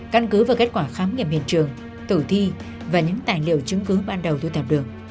căn cứ vào kết quả khám nghiệm hiện trường tử thi và những tài liệu chứng cứ ban đầu thu thập được